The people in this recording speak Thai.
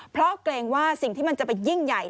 เพราะเกรงว่าสิ่งที่มันจะไปยิ่งใหญ่